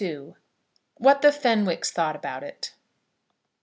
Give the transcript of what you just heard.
WHAT THE FENWICKS THOUGHT ABOUT IT.